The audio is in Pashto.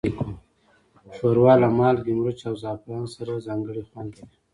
ښوروا له مالګې، مرچ، او زعفران سره ځانګړی خوند لري.